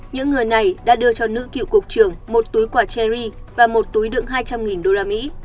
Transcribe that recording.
những người này đã đưa cho nữ cựu cục trưởng một túi quả cherry và một túi đựng hai trăm linh usd